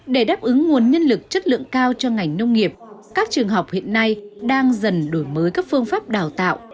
để đáp ứng nguồn nhân lực chất lượng cao cho ngành nông nghiệp các trường học hiện nay đang dần đổi mới các phương pháp đào tạo